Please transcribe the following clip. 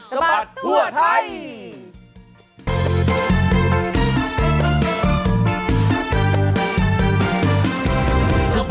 สป๊อตถั่วไทย